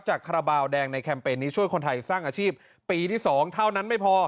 คาราบาลแดงในแคมเปญนี้ช่วยคนไทยสร้างอาชีพปีที่๒เท่านั้นไม่พอ